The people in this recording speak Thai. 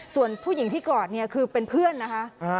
ส่วนผู้หญิงที่กอดเนี่ยคือเป็นเพื่อนนะคะ